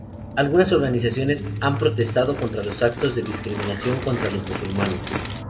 Algunas organizaciones han protestado contra los actos de discriminación contra los musulmanes.